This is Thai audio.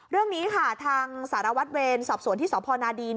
เรื่องนี้ค่ะทางสารวัตรเวรสอบสวนที่สพนดี